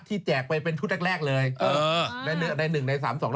นี่จะให้ค่ะให้ใคร